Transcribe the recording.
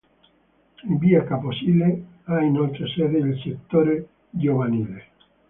In via Capo Sile ha inoltre sede il settore giovanile.